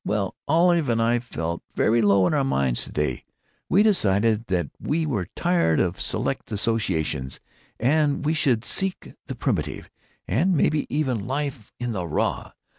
Well, Olive and I felt very low in our minds to day. We decided that we were tired of select associations, and that we would seek the Primitive, and maybe even Life in the Raw.